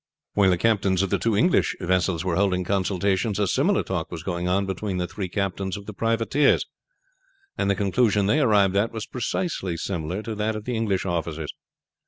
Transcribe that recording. While the captains of the two English vessels were holding consultations a similar talk was going on between the three captains of the privateers, and the conclusion they arrived at was precisely similar to that of the English officers.